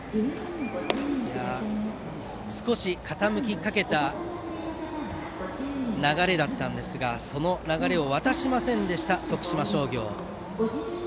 少し傾きかけた流れだったんですがその流れを渡しませんでした徳島商業。